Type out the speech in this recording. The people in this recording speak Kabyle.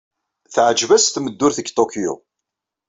Teɛjeb-as tmeddurt deg Tokyo.